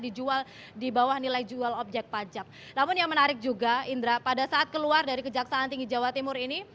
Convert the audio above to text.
nah ini adalah hal yang terakhir di bawah nilai jual objek pajak namun yang menarik juga indra pada saat keluar dari kejaksaan tinggi jawa timur ini